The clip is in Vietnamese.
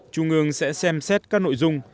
trung ương sẽ xem xét các nội dung